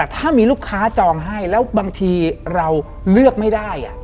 ถ้ามีลูกค้าจองให้แล้วบางทีเราเลือกไม่ได้